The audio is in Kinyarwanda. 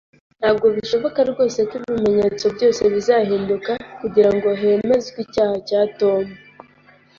Ntabwo bishoboka rwose ko ibimenyetso byose bizahinduka kugirango hemezwe icyaha cya Tom